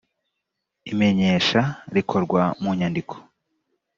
imenyesha rikorwa mu nyandiko